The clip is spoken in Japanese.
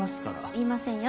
言いませんよ